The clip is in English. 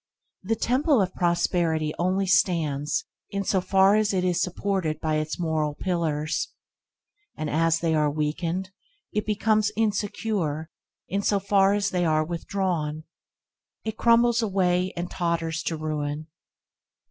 The temple of prosperity only stands in so far as it is supported by its moral pillars; as they are weakened, it becomes insecure; in so far as they are withdrawn, it crumbles away and totters to ruin.